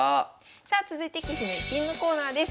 さあ続いて「棋士の逸品」のコーナーです。